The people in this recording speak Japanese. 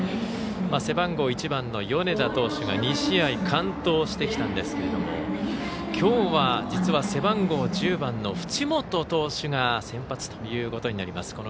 背番号１番の米田投手が２試合完投してきたんですけどもきょうは、実は背番号１０番の淵本投手が先発ということになります。